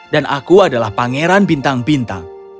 dan aku adalah pangeran bintang bintang